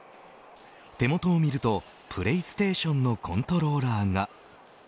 手元を見るとプレイステーションのコントローラーが。